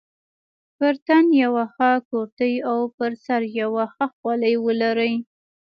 پر تن یوه ښه کورتۍ او پر سر یوه ښه خولۍ ولري.